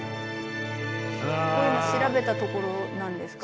ここ今調べたところなんですか？